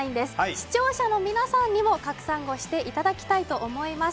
視聴者の皆さんにもカクサンをしていただきたいと思います。